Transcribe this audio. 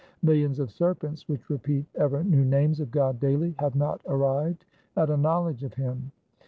Millions of serpents which repeat ever new names of God daily, 5 have not arrived at a knowledge of Him.